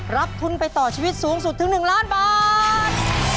รับทุนไปต่อชีวิตสูงสุดถึง๑ล้านบาท